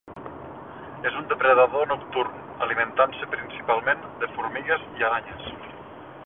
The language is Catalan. És un depredador nocturn, alimentant-se principalment de formigues i aranyes.